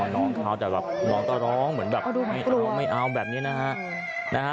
น้องก็ร้องเหมือนแบบไม่เอาไม่เอาแบบนี้นะครับ